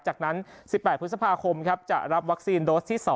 จากนั้น๑๘พฤษภาคมจะรับวัคซีนโดสที่๒